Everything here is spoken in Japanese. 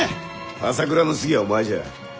朝倉の次はお前じゃ。